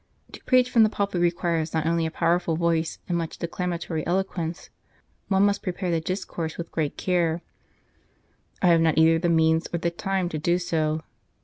To preach from the pulpit requires not only a powerful voice and much declamatory eloquence ; one must prepare the discourse with great care. I have not either the means or the time to do so.